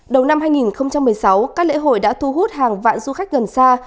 đầu năm hai nghìn một mươi sáu các lễ hội đã thu hút hàng vạn du khách gần xa